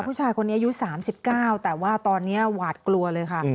ผู้ชายคนนี้อายุ๓๙แต่ว่าตอนนี้หวาดกลัวเลยค่ะ